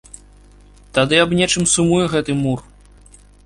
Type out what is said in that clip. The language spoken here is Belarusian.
Тады аб нечым сумуе гэты мур.